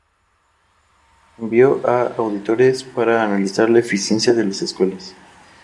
Envió a auditores para analizar la eficiencia de las escuelas.